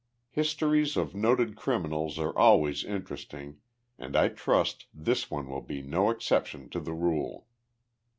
Histories of noted criminals are always interesting and I trust this one will be no exception to the rule.